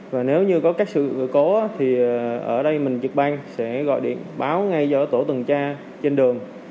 và nếu như có các sự cố thì ở đây mình trực ban sẽ gọi điện báo ngay cho tổ tuần tra trên đường